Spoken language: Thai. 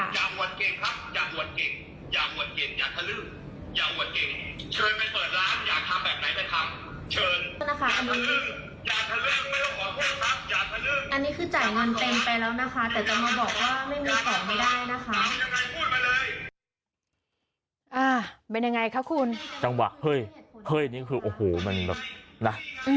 เป็นยังไงคะคุณจังหวะเฮ้ยเฮ้ยนี่คือโอ้โหมันแบบนะ